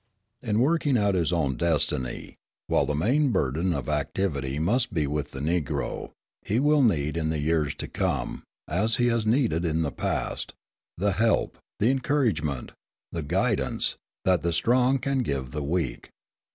In working out his own destiny, while the main burden of activity must be with the Negro, he will need in the years to come, as he has needed in the past, the help, the encouragement, the guidance, that the strong can give the weak.